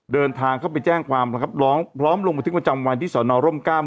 เดินทางเข้าไปแจ้งความนะครับร้องพร้อมลงบันทึกประจำวันที่สอนอร่มกล้าม